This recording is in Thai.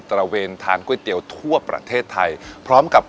ระเวนทานก๋วยเตี๋ยวทั่วประเทศไทยพร้อมกับ